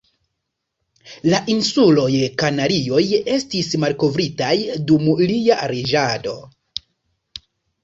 La Insuloj Kanarioj estis malkovritaj dum lia reĝado.